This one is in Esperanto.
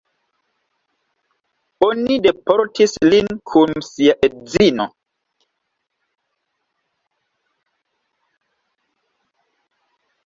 Oni deportis lin kun sia edzino.